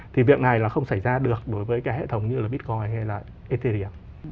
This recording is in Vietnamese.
thì việc này là không xảy ra được đối với cái hệ thống như là bitcoin hay là ethir